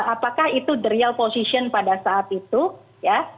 apakah itu the real position pada saat itu ya